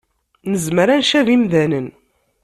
Nezmer ad ncabi imdanen